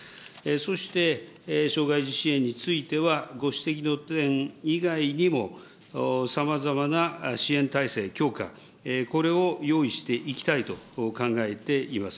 そして障害児支援については、ご指摘の点以外にも、さまざまな支援体制強化、これを用意していきたいと考えています。